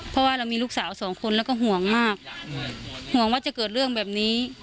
เพราะว่าเรามีลูกสาวสองคนแล้วก็ห่วงมากห่วงว่าจะเกิดเรื่องแบบนี้